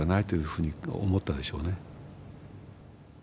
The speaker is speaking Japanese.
ふうに思ったでしょうね。